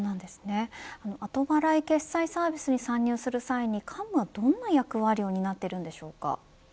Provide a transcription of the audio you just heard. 後払い決済サービスに参入する際にカンムはどんな役割を担っているんでしょうか。